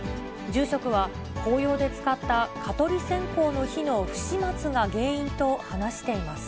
住職は、法要で使った蚊取り線香の火の不始末が原因と話しています。